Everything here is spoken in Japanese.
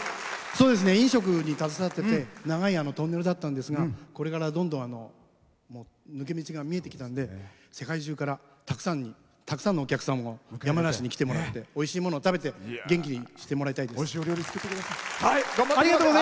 飲食に携わってて長いトンネルだったんですがこれからどんどん抜け道が見えてきたので世界中からたくさんのお客さんに山梨に来てもらっておいしいものを食べて元気にしてもらいたいです。